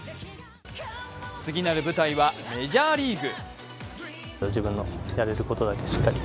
次なる舞台はメジャーリーグ。